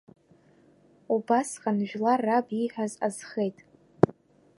Убасҟан жәлар раб ииҳәаз азхеит…